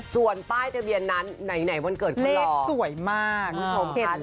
ส่วนใบ้ตะเบียนนั้นไหนวันเกิดมีคำลัง